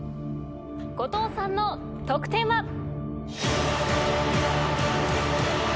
後藤さんの得点は。